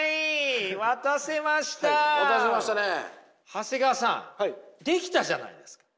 長谷川さんできたじゃないですか！